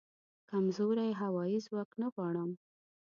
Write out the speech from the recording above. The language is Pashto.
کمزوری هوایې ځواک نه غواړم